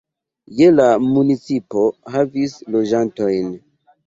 Je la la municipo havis loĝantojn.